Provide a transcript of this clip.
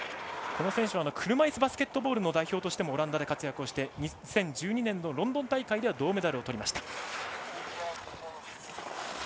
この選手は車いすバスケットボールの代表としてもオランダで活躍をして２０１２年のロンドン大会では銅メダルをとりました。